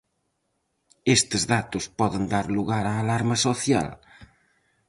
Estes datos poden dar lugar á alarma social?